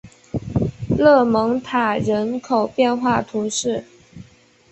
勒蒙塔人口变化图示